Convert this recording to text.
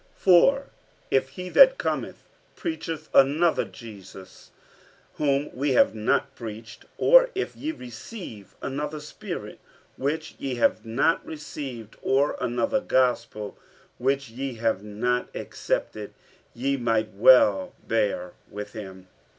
47:011:004 For if he that cometh preacheth another Jesus, whom we have not preached, or if ye receive another spirit, which ye have not received, or another gospel, which ye have not accepted, ye might well bear with him.